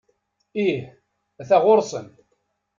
Ih, ata ɣuṛ-sen.